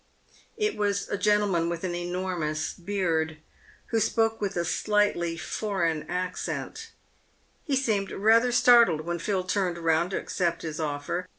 It was a gentleman with an enormous beard, who spoke with a i PAVED WITH GOLD. 209 slightly foreign accent. He seemed rather startled when Phil turned round to accept his offer.